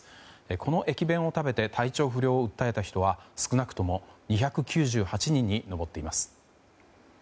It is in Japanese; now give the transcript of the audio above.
この駅弁を食べて体調不良を訴えた人は少なくとも２９８人に上っています。